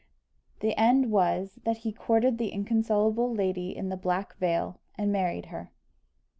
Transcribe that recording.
The end was, that he courted the inconsolable lady in the black veil, and married her.